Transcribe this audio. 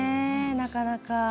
なかなか。